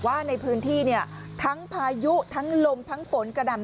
ว่าในพื้นที่เนี่ยทั้งพายุทั้งลมทั้งฝนกระดำ